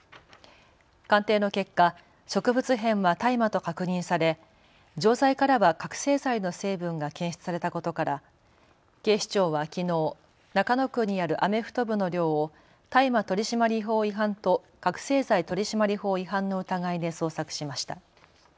鑑定の結果、植物片は大麻と確認され錠剤からは覚醒剤の成分が検出されたことから警視庁はきのう中野区にあるアメフト部の寮を大麻取締法違反と覚醒剤取締法違反の疑いで捜索しました。